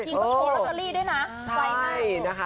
เมื่อกี้ก็โชว์ลอตเตอรี่ด้วยนะใช่นะคะ